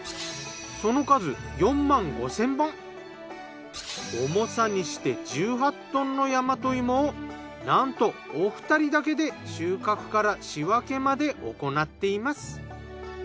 その数重さにして１８トンの大和芋をなんとお二人だけで収穫から仕分けまで行っています。